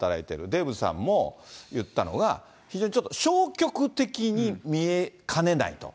デーブさんも言ったのが、非常にちょっと、消極的に見えかねないと。